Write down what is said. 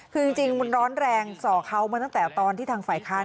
คือจริงมันร้อนแรงส่อเขามาตั้งแต่ตอนที่ทางฝ่ายค้าน